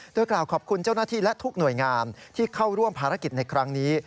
โดยกล่าวขอบคุณเจ้าหน้าที่และทุกหน่วยงานที่เข้าร่วมภารกิจในครั้งนี้